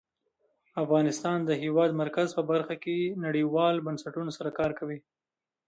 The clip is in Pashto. افغانستان د د هېواد مرکز په برخه کې نړیوالو بنسټونو سره کار کوي.